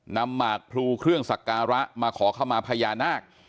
หมากพลูเครื่องสักการะมาขอเข้ามาพญานาค